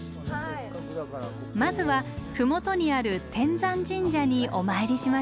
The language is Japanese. まずは麓にある天山神社にお参りしましょう。